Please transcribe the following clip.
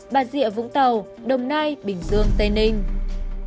bà rịa vũng tàu đồng nai bình dương tây ninh